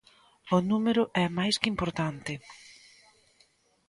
O número é máis que importante.